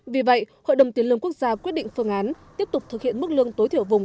vì vậy hội đồng tiền lương quốc gia quyết định phương án tiếp tục thực hiện mức lương tối thiểu vùng